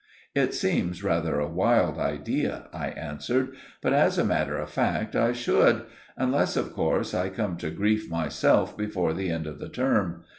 "It seems rather a wild idea," I answered, "but as a matter of fact I should—unless, of course, I come to grief myself before the end of the term.